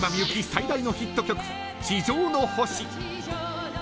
最大のヒット曲地上の星。